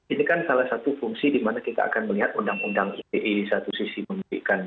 ini kan salah satu fungsi di mana kita akan melihat undang undang ite satu sisi memiliki